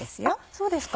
そうですか。